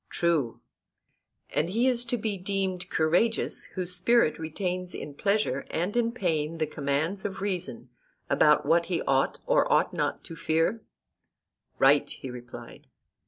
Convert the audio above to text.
True. And he is to be deemed courageous whose spirit retains in pleasure and in pain the commands of reason about what he ought or ought not to fear? Right, he replied.